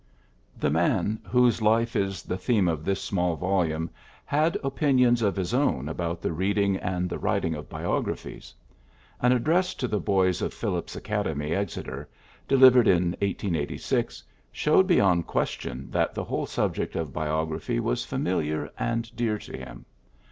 The man whose life is the theme of this small volume had opinions of his own about the reading and the writing of biographies. An address to the boys of Phillips Academy, Exeter, delivered in 1886, showed beyond question that the whole subject of biography was fa miliar and dear to him.